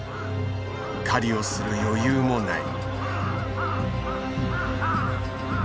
狩りをする余裕もない。